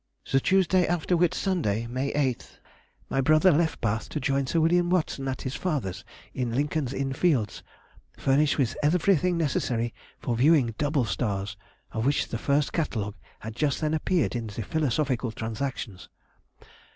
... The Tuesday after Whit Sunday, May 8th, my brother left Bath to join Sir William Watson at his father's in Lincoln's Inn Fields, furnished with everything necessary for viewing double stars, of which the first catalogue had just then appeared in the 'Philosophical Transactions.